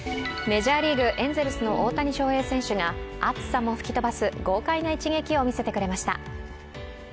メジャーリーグ、エンゼルスの大谷翔平選手が暑さも吹き飛ばす、豪快な一撃を見せてくれました。